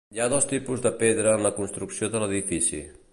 Hi ha dos tipus de pedra en la construcció de l'edifici.